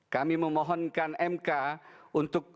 kami memohonkan mk untuk